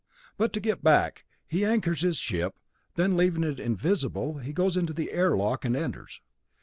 "But to get back, he anchors his ship, then, leaving it invisible, he goes to the air lock, and enters.